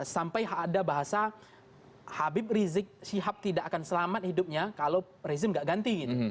sampai ada bahasa habib rizik syihab tidak akan selamat hidupnya kalau rezim gak ganti gitu